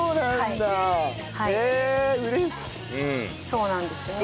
そうなんですよね。